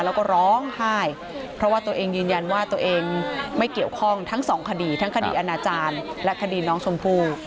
แล้วก็ร้องไห้เพราะว่าตัวเองยืนยันว่าตัวเองไม่เกี่ยวข้องทั้งสองคดีทั้งคดีอาณาจารย์และคดีน้องชมพู่